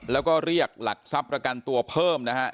แล้วก็เรียกหลักทรัพย์ประกันตัวเพิ่มนะฮะ